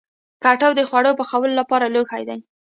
کټوه د خواړو پخولو لپاره لوښی دی